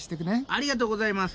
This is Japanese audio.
ありがとうございます。